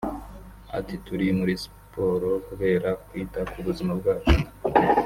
Ati “Turi muri siporo kubera kwita ku buzima bwacu